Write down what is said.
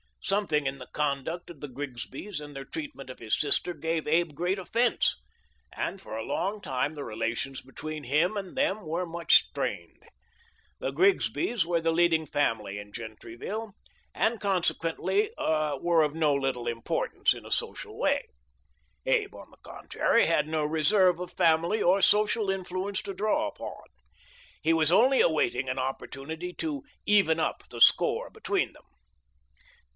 Something in the conduct of the Grigsbys and their treatment of his sister gave Abe great offense, and for a long time the rela tions between him and them were much strained. The Grigsbys were the leading family in Gentryville, and consequently were of no little importance in a social way. Abe, on the contrary, had no reserve of family or social influence to draw upon. He was only awaiting an opportunity to " even up " the score between them.